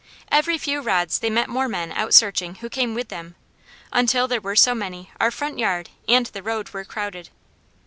Every few rods they met more men out searching who came with them, until there were so many, our front yard and the road were crowded.